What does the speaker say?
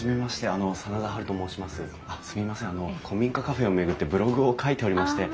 あの古民家カフェを巡ってブログを書いておりまして。